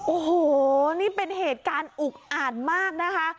โอ้โหนี่เป็นเหตุการณ์อุกอ่านมากนะคะ